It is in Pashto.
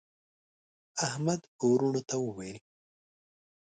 احمد وروڼو ته وویل: